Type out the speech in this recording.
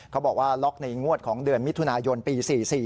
เขาบอกว่าล็อกในงวดของเดือนมิถุนายนปี๔๔